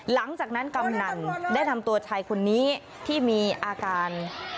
หลังจากนั้นกำนันได้ทำตัวชายคนนี้ที่มีอาการ